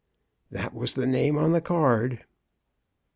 " "That was the name on the card."